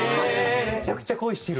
めちゃくちゃ恋してる。